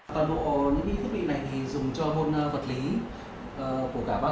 tổng độ những thiết bị này